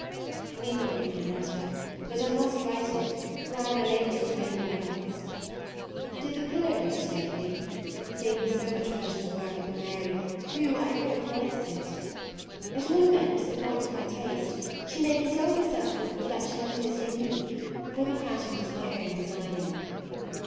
You need not read my letter; but I must write it, for I am unable to do anything else. Did the pillow reach safely? It gave me so much pleasure to work it for Mary, who, I hope, likes it. At all events, if not to her taste, she may console herself with the reflec tion that it is unique ; for the pattern was my own designing.